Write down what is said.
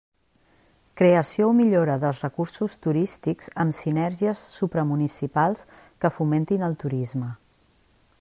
Creació o millora dels recursos turístics amb sinergies supramunicipals que fomentin el turisme.